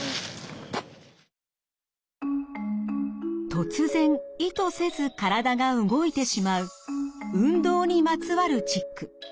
突然意図せず体が動いてしまう運動にまつわるチック。